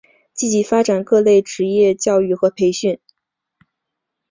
积极发展各类职业教育和培训。